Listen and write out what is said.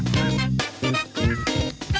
สวัสดีค่ะ